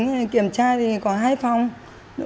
là đến để kiểm tra các đối tượng đấy